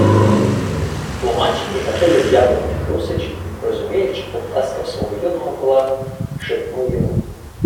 Тлумач і Гатилів ябедник Русич розуміюче поплескав свого юного колегу й шепнув йому: